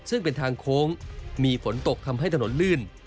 ซึ่งเป็นทางโค้งมีฝนตกทำให้ถนนลื่น